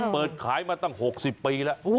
เปิดขายมาตั้ง๖๐ปีแล้ว